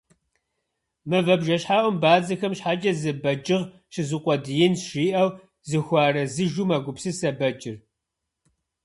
«Мывэ бжэщхьэӀум бадзэхэм щхьэкӀэ зы бэджыхъ щызукъуэдиинщ, - жиӀэу зыхуэарэзыжу мэгупсысэ бэджыр.